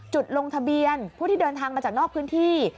ลงทะเบียนผู้ที่เดินทางมาจากนอกพื้นที่